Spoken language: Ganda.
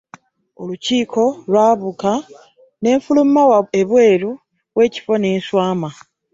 Olukiiko nga lwabuka, nneefulumya ebweru w'ekifo ne nswama.